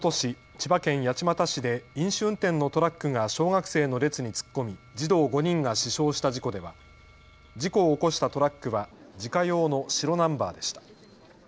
千葉県八街市で飲酒運転のトラックが小学生の列に突っ込み児童５人が死傷した事故では事故を起こしたトラックは自家用の白ナンバーでした。